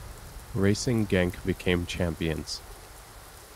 Racing Genk became champions.